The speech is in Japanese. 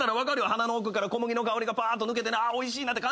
鼻の奥から小麦の香りがぱーっと抜けてなおいしいなって感じんねや。